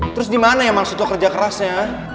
terus di mana yang masuk ke kerja kerasnya